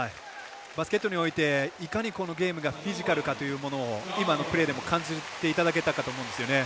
バスケットにおいていかに、このゲームがフィジカルかというものを今のプレーでも感じていただけたかと思うんですよね。